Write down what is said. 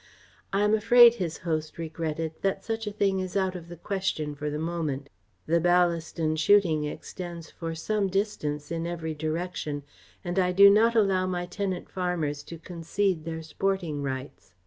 "I am afraid," his host regretted, "that such a thing is out of the question for the moment. The Ballaston shooting extends for some distance in every direction, and I do not allow my tenant farmers to concede their sporting rights.